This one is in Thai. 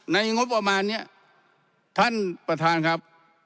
งบประมาณนี้ท่านประธานครับ